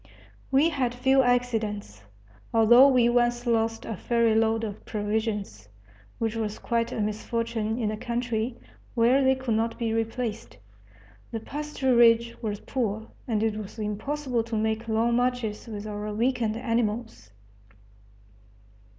We had few accidents, although we once lost a ferry load of provisions, which was quite a misfortune in a country where they could not be replaced. The pasturage was poor, and it was impossible to make long marches with our weakened animals.